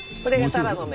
たらの芽？